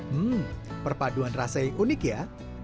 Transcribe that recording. hmm perpaduan rasa yang unik ya